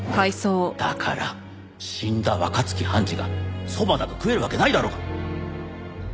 だから死んだ若槻判事がそばなど食えるわけないだろうが！